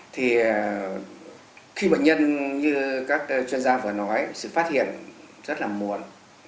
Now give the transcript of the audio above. thì khi bệnh nhân như các chuyên gia vừa nói sự phát hiện rất là buồn